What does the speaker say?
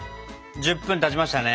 １０分たちましたね。